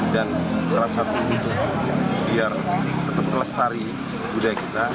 dan salah satu untuk biar tetap kelestari budaya kita